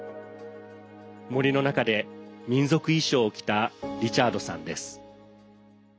森の中で民族衣装を着たリチャードさんです。